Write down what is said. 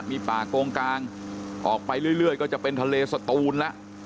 มีป่าโกงกลางออกไปเรื่อยก็จะเป็นทะเลสตูนแล้ว